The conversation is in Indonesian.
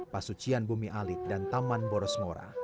pasucian bumi alit dan taman borosmora